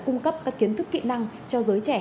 cung cấp các kiến thức kỹ năng cho giới trẻ